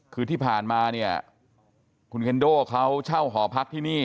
คือที่ผ่านมาเนี่ยคุณเคนโด่เขาเช่าหอพักที่นี่